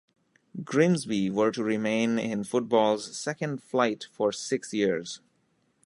Grimsby were to remain in football's second flight for six years.